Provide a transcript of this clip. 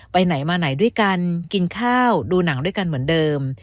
ไปไหนมาไหนด้วยกันกินข้าวดูหนังด้วยกันเหมือนเดิม